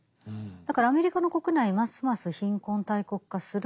だからアメリカの国内ますます貧困大国化する。